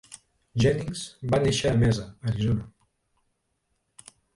Jennings va néixer a Mesa, Arizona.